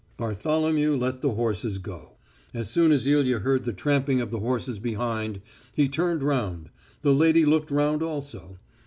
Bartholomew let the horses go. As soon as Ilya heard the tramping of the horses behind, he turned round; the lady looked round also.